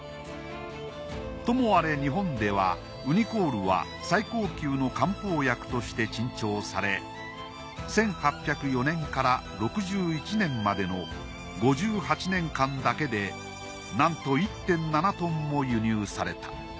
ともあれ日本ではウニコウルは最高級の漢方薬として珍重され１８０４年から６１年までの５８年間だけでなんと１．７トンも輸入された。